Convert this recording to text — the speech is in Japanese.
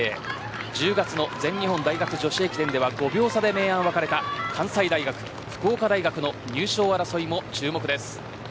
１０月の全日本大学女子駅伝では５秒差で明暗が分かれた関西大学、福岡大学の入賞争いも注目です。